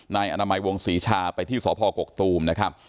นายอนามัยวงศรีชาไปที่สพกกตูมนะครับ